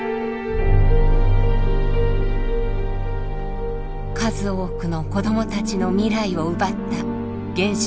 数多くの子どもたちの未来を奪った原子爆弾。